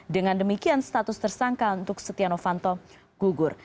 dengan demikian status tersangka untuk setiano fanto gugur